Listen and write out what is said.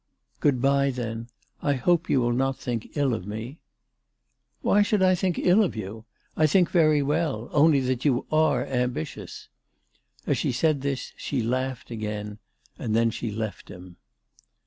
"Good bye then. I hope you will not think ill of me." " Why should I think ill of you ? I think very well, only that you are ambitious." As she said this, she laughed again, and then she left him.